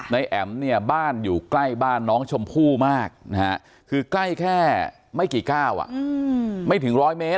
วันบ้านอยู่ใกล้บ้านน้องชมพู่มากคือกล้ายแค่ไม่กี่ก้าวไม่ถึงร้อยเมตร